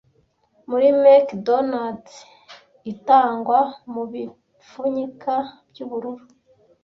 Muri MacDonald's itangwa mubipfunyika byubururu